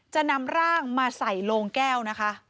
จะนำร่างมาใส่โลงแก้วนะคะ